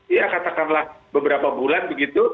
iya katakanlah beberapa bulan begitu